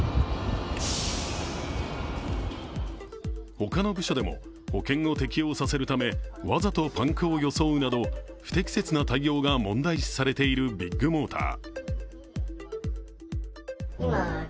他の部署でも保険を適用させるためわざとパンクを装うなど、不適切な対応が問題視されているビッグモーター。